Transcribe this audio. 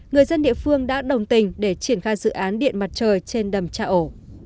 người dân địa phương đã đồng tình để triển khai dự án điện mặt trời trên đầm trà ổ